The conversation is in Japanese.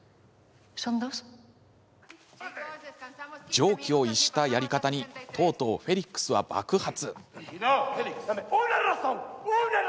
常軌を逸したやり方にとうとうフェリックスは爆発。